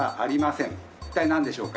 一体なんでしょうか？